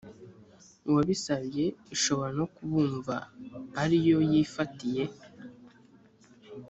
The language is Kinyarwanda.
uwabisabye ishobora no kubumva ari yo yifatiye